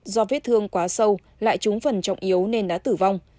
do vết thương quá sâu lại trúng phần trọng yếu nên đã tử vong